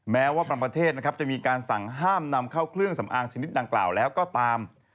แม้ว่าบางประเทศนะครับจะมีการสั่งห้ามนำเข้าเครื่องสำอางชนิดดังกล่าวแล้วก็ตาม